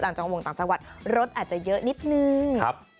ต่างจังหวัดต่างจังหวัดรถอาจจะเยอะนิดนึงครับ